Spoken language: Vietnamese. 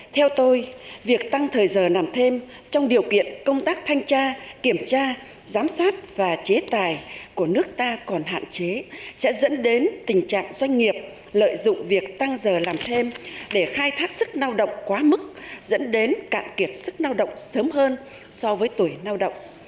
theo tôi việc tăng thời giờ làm thêm trong điều kiện công tác thanh tra kiểm tra giám sát và chế tài của nước ta còn hạn chế sẽ dẫn đến tình trạng doanh nghiệp lợi dụng việc tăng giờ làm thêm để khai thác sức lao động quá mức dẫn đến cạn kiệt sức lao động sớm hơn so với tuổi lao động